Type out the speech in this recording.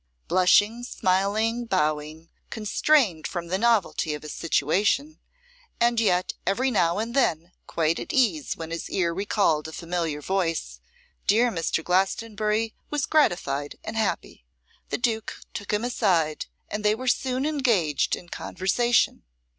Blushing, smiling, bowing, constrained from the novelty of his situation, and yet every now and then quite at ease when his ear recalled a familiar voice, dear Mr. Glastonbury was gratified and happy. The duke took him aside, and they were soon engaged in conversation.